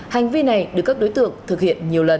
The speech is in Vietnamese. hành vi này được các đối tượng thực hiện nhiều lần